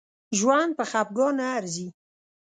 ژوند په خپګان نه ارزي